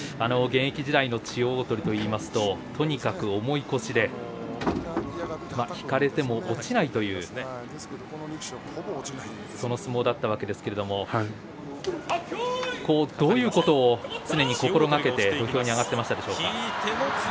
現役時代の千代鳳といいますと、とにかく重い腰で引かれても落ちないというその相撲だったわけですけどどういうことを常に心がけて土俵に上がっていましたか？